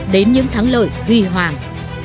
đến những thắng lợi hủy hoàng